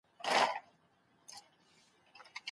دا د مسلکي توب یوه لوړه نښه ده.